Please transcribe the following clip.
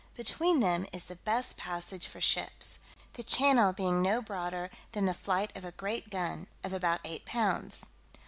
Between them is the best passage for ships, the channel being no broader than the flight of a great gun, of about eight pounds.